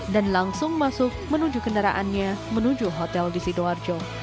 dan langsung masuk menuju kendaraannya menuju hotel di sidoarjo